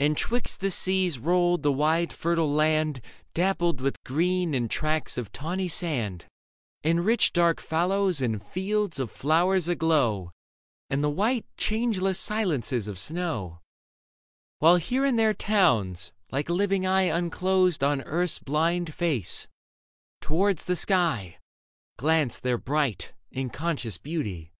And 'twixt the seas rolled the wide fertile land, Dappled with green and tracts of tawny sand, And rich, dark fallows and fields of flowers aglow And the white, changeless silences of snow ; While here and there towns, like a living eye Unclosed on earth's bhnd face, towards the sky Glanced their bright conscious beauty.